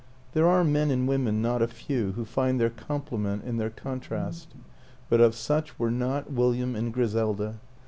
There are men and women not a few who find their com plement in their contrast; but of such were not William and Griselda.